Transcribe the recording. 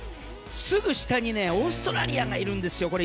すぐ下にオーストラリアがいるんですよ。